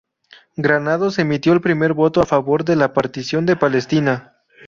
Granados emitió el primer voto a favor de la Partición de Palestina.